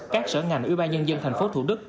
các sở ngành ưu ba nhân dân tp hcm